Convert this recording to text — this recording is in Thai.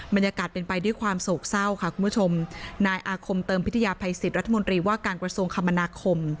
บรรยากาศเป็นไปด้วยความโศกเศร้าค่ะคุณผู้ชมนายอาคมเติมพิทยาภัยสิทธิ์รัฐมนตรีว่าการกระทรวงคมนาคม